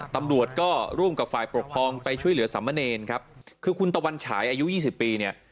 ตำรวจก็ร่วมกับฝ่ายปกครองไปช่วยเหลือสามเณรครับคือคุณตะวันฉายอายุยี่สิบปีเนี่ย